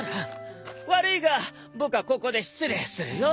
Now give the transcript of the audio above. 悪いが僕はここで失礼するよ。